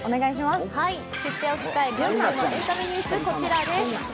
知っておきたい今週のエンタメニュース、こちらです。